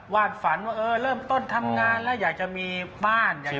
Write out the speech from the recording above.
วาดฝันว่าเริ่มต้นทำงานแล้วอยากจะมีบ้าน